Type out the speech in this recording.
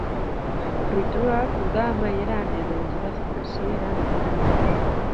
Fruituak uda-amaieran, edo udazken-hasieran heltzen dira.